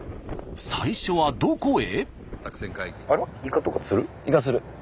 最初はどこへ？